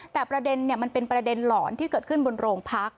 แต่ประเด็นมันเป็นประเด็นหลอนที่เกิดขึ้นบนโรงพัก